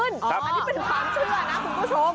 อันนี้เป็นความเชื่อนะคุณผู้ชม